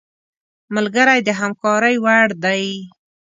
ملګری د همکارۍ وړ دی